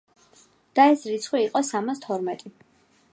და ეს რიცხვი იყოს სამას თორმეტი.